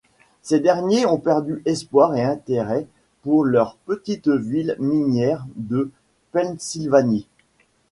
Ces derniers ont perdu espoir et intérêt pour leur petite ville minière de Pennsylvanie.